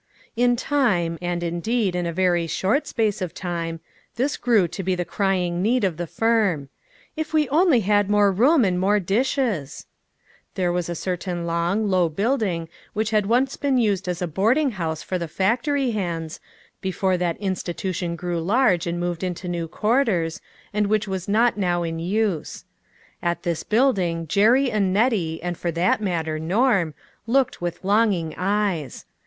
In time, and indeed in a very short space of time, this grew to be the crying need of the firm :" If we only had more room, and more dishes! " There was a certain long, low building which had once been used as a boarding house TOO GOOD TO BE TRUE. 385 for the factory hands, before that institution grew large and moved into new quarters, and which was not now in use. At this building Jerry and Nettie, and for that matter, Norm, looked with longing eyes.